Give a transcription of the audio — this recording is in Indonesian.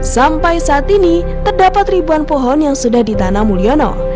sampai saat ini terdapat ribuan pohon yang sudah ditanam mulyono